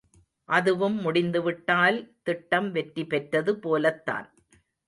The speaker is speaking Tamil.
அதுவும் முடிந்துவிட்டால் திட்டம் வெற்றி பெற்றது போலத்தான்.